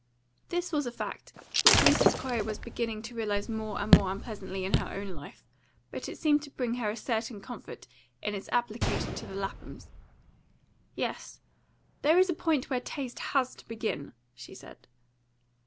This was a fact which Mrs. Corey was beginning to realise more and more unpleasantly in her own life; but it seemed to bring her a certain comfort in its application to the Laphams. "Yes, there is a point where taste has to begin," she said.